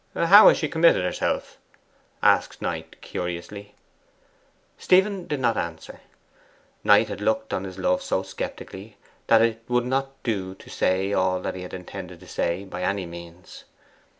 'How has she committed herself?' asked Knight cunously. Stephen did not answer. Knight had looked on his love so sceptically that it would not do to say all that he had intended to say by any means.